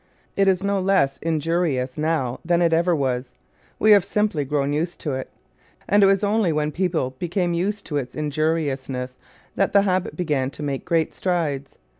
It is no less injurious now than it ever was, we have simply grown used to it, and it was only when people became used to its injuriousness that the habit began to make great strides.